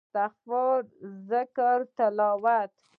استغفار ذکر تلاوت